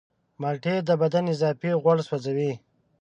مالټې د بدن اضافي غوړ سوځوي.